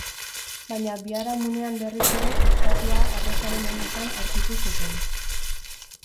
Baina biharamunean berriz ere estatua arrosaren oinetan aurkitu zuten.